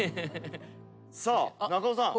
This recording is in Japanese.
さあ中尾さん。